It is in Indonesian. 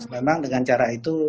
memang dengan cara itu